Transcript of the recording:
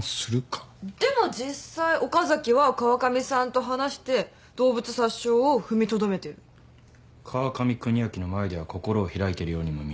でも実際岡崎は川上さんと話して動物殺傷を踏みとどめてる。川上邦明の前では心を開いてるようにも見える。